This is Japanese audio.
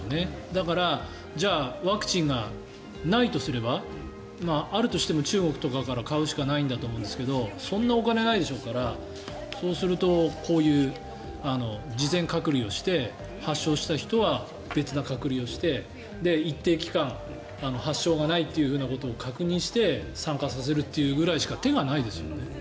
だから、ワクチンがないとすればあるとしても中国とかから買うしかないんだと思いますがそんなお金ないでしょうからそうするとこういう事前隔離をして発症した人は別な隔離をして一定期間発症がないということを確認して参加させるというぐらいしか手がないですよね。